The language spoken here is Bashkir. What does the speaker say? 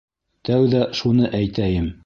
Тәүҙә шуны әйтәйем.